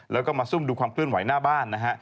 แล้วก็มาซุ่มดูความเคลื่อนไหวหน้าบ้านนะฮะ